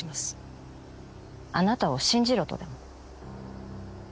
あなたを信じろとでも？